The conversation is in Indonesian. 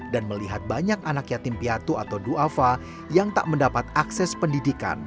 dan melihat banyak anak yatim piatu atau du afa yang tak mendapat akses pendidikan